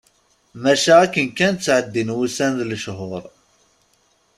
Maca akken kan ttɛeddin wussan d lechur.